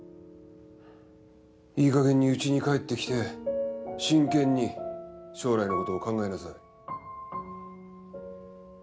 いいかげんにうちに帰ってきて真剣に将来のことを考えなさい。